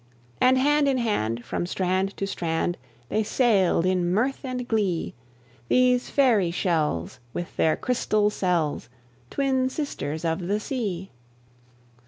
And hand in hand, from strand to strand, They sailed in mirth and glee; These fairy shells, with their crystal cells, Twin sisters of the sea.